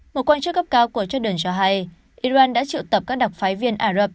một quan chức cấp cao của jordan cho hay iran đã triệu tập các đặc phái viên ả rập